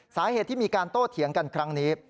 สาเหตุที่มีการโต้เถียงกันครั้งนี้